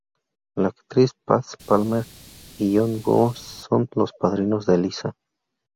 La actriz Patsy Palmer y John Burns son los padrinos de Eliza.